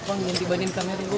apa yang dibandingkan dari gue